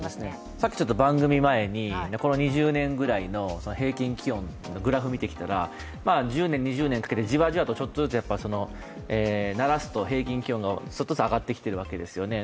さっき番組前にこの２０年ぐらいの平均気温のグラフを見てきたら、１０年、２０年かけて、じわじわとならすと、平均気温がちょっとずつ上がってきているわけですよね。